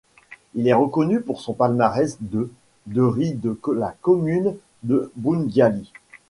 Il est reconnu pour son palmarès de de riz de la commune de Boundiali.